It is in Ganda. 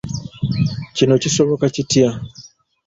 Kino kisoboka kitya?